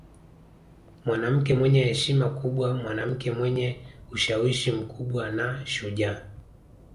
Mwanamke mwenye heshima kubwa mwanamke mwenye ushawishi mkubwa na shujaa